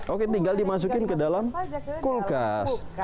oke tinggal dimasukin ke dalam kulkas